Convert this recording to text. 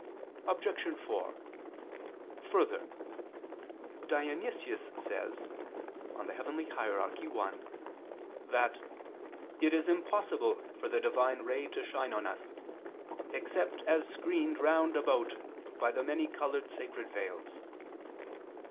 Obj. 4: Further, Dionysius says (Coel. Hier. i) that "it is impossible for the Divine ray to shine on us, except as screened round about by the many colored sacred veils."